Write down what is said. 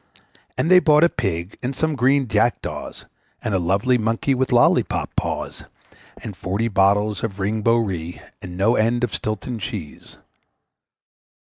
And they bought a Pig, and some green Jack daws, And a lovely Monkey with lollipop paws, And forty bottles of Ring Bo Ree, And no end of Stilton Cheese.